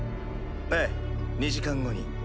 ええ２時間後に。